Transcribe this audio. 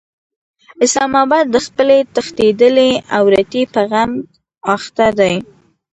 اسلام اباد د خپلې تښتېدلې عورتې په غم اخته دی.